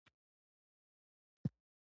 نور نو مخ پر غره لاړو.